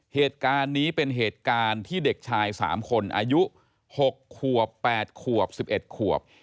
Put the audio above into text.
เหตุการณ์นี้เป็นเหตุการณ์ที่เด็กชาย๓คนอายุ๖ขวบ๘ขวบ๑๑ขวบ